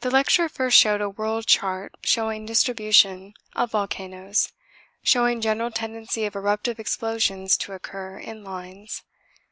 The lecturer first showed a world chart showing distribution of volcanoes, showing general tendency of eruptive explosions to occur in lines.